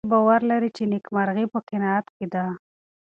هغوی باور لري چې نېکمرغي په قناعت کې ده.